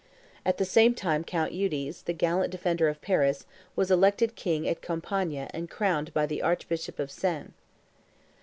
At the same time Count Eudes, the gallant defender of Paris, was elected king at Compiegne and crowned by the Archbishop of Sens.